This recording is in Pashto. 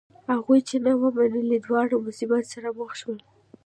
هغوی چې نه و منلی دواړه مصیبت سره مخ شول.